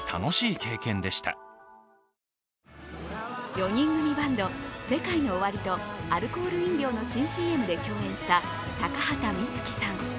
４人組バンド、ＳＥＫＡＩＮＯＯＷＡＲＩとアルコール飲料の新ＣＭで共演した高畑充希さん。